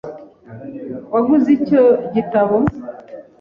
Waguze icyo gitabo?